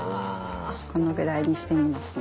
このぐらいにしてみますね。